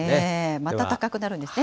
また高くなるんですね。